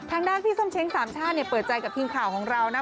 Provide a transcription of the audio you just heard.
ทางด้านพี่ส้มเช้งสามชาติเนี่ยเปิดใจกับทีมข่าวของเรานะ